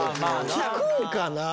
効くんかな？